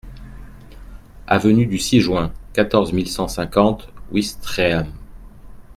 Avenue du six Juin, quatorze mille cent cinquante Ouistreham